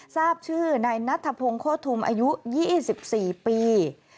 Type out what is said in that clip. ทราบชื่อนายนัทพงศ์โคตรทุมอายุ๒๔ปี